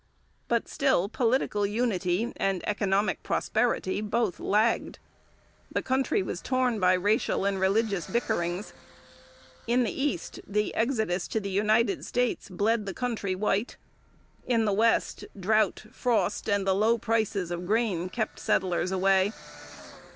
But still political unity and economic prosperity both lagged. The country was torn by racial and religious bickerings. In the East, the exodus to the United States bled the country white; in the West, drought, frost, and the low prices of grain kept settlers away.